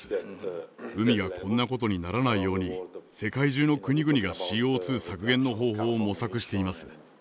海がこんなことにならないように世界中の国々がＣＯ２削減の方法を模索しています。